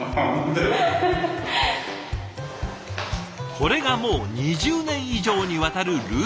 これがもう２０年以上にわたるルーティン。